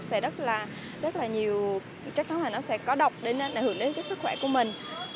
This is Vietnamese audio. sẽ rất là nhiều chắc chắn là nó sẽ có độc để hưởng đến sức khỏe của mình